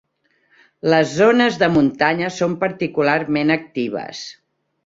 Les zones de muntanya són particularment actives.